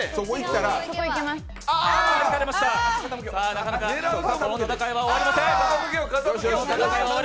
なかなか戦いは終わりません。